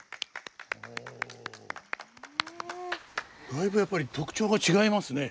だいぶやっぱり特徴が違いますね。